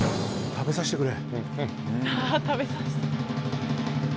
食べさしてくれ。